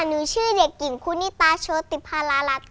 หนูชื่อเด็กหญิงคู่นิตาโชติพระรัติ